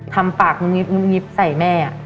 ทำปากงบิบใส่แม่